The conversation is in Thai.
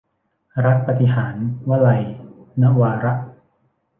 รักปาฏิหาริย์ - วลัย นวาระ